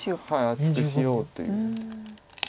厚くしようという。